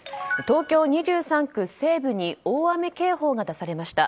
東京２３区西部に大雨警報が出されました。